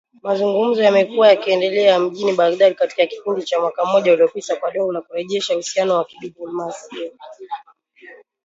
Mazungumuzo yamekuwa yakiendelea mjini Baghdad katika kipindi cha mwaka mmoja uliopita kwa lengo la kurejesha uhusiano wa kidiplomasia